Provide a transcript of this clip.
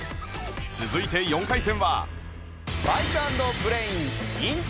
続いて４回戦は